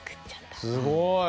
すごい。